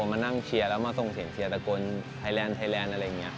มานั่งเชียร์ส่งเสียงเชียรตกนไทยแลนด์